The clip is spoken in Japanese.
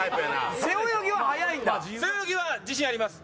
背泳ぎは自信あります。